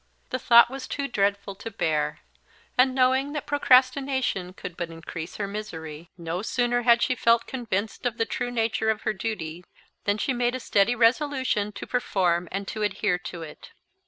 The thought was too dreadful to bear; and, knowing that procrastination could but increase her misery, no sooner had she felt convinced of the true nature of her duty than she made a steady resolution to perform and to adhere to it.